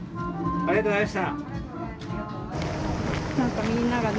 ありがとうございます。